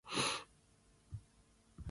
酥皮餅很受歡迎